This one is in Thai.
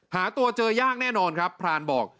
หาตัวเจอยากแน่นอนครับพรานบอก